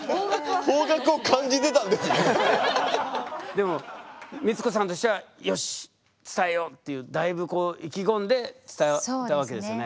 でも光子さんとしてはよし伝えようっていうだいぶ意気込んで伝えたわけですよね。